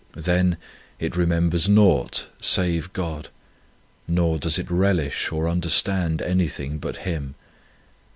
2 Then it remembers naught save God, nor does it relish or understand anything but Him.